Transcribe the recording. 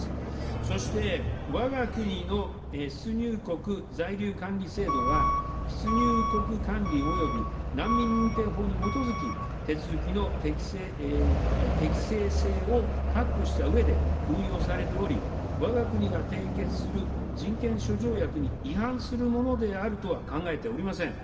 そして、わが国の出入国在留管理制度は出入国管理および難民認定法に基づき、手続きの適正性を確保したうえで運用されており、わが国が締結する人権諸条約に違反するものであるとは考えておりません。